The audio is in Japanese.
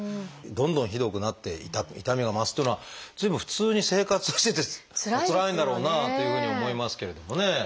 どんどんひどくなっていた痛みが増すというのは随分普通に生活をしてておつらいんだろうなというふうに思いますけれどもね。